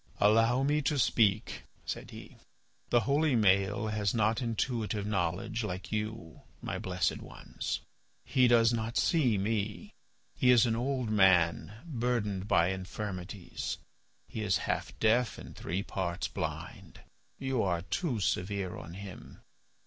"Allow me to speak," said he; "the holy Maël has not intuitive knowledge like you, my blessed ones. He does not see me. He is an old man burdened by infirmities; he is half deaf and three parts blind. You are too severe on him.